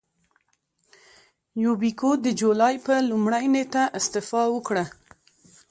یوبیکو د جولای پر لومړۍ نېټه استعفا وکړه.